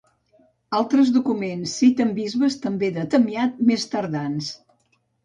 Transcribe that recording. Altres documents citen bisbes també de Tamiat més tardans.